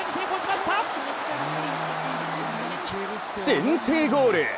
先制ゴール。